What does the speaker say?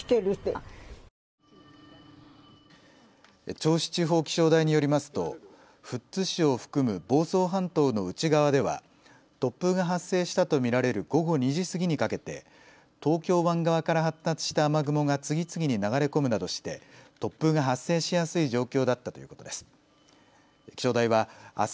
銚子地方気象台によりますと富津市を含む房総半島の内側では突風が発生したと見られる午後２時過ぎにかけて東京湾側から発達した雨雲が次々に流れ込むなどして突風が発生しやすい状況だったということです。